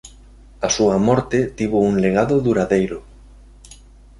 A súa morte tivo un legado duradeiro.